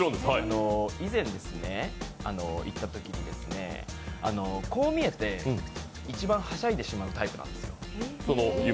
以前、行ったときに、こう見えて、一番はしゃいでしまうタイプなんです。